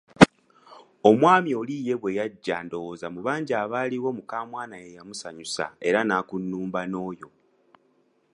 Omwami oli ye bwe yajja ndowooza mu bangi abaaliwo mukamwana yeyamusanyusa era nakunnumba n‘oyo.